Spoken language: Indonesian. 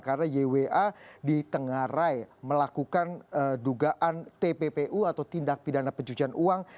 karena ywa ditengarai melakukan dugaan tppu atau tindak pidana pencucian uang